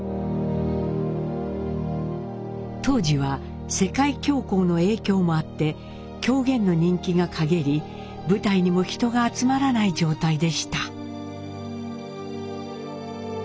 当時は世界恐慌の影響もあって狂言の人気がかげり舞台にも人が集まらない状態でした。